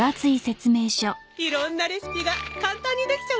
いろんなレシピが簡単にできちゃうんですよ。